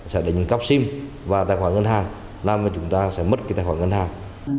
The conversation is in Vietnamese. sẽ đánh cắp sim và tài khoản ngân hàng làm cho chúng ta sẽ mất cái tài khoản ngân hàng